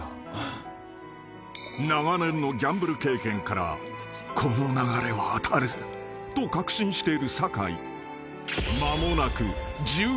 ［長年のギャンブル経験からこの流れは当たると確信している酒井］